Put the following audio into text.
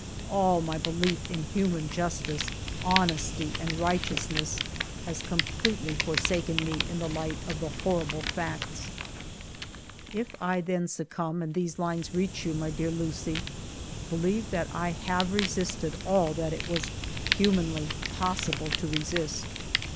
All my belief in human justice, honesty, and righteousness has completely forsaken me in the light of the horrible facts ! ALFRED DREYFUS 163 If I then succumb and these hnes reach you, my dear Lucie, beheve that I have withstood all that it was humanly possible to resist.